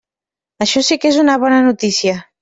Això sí que és una bona notícia.